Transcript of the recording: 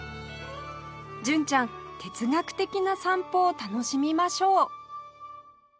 純ちゃん哲学的な散歩を楽しみましょう